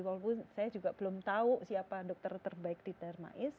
walaupun saya juga belum tahu siapa dokter terbaik di darmais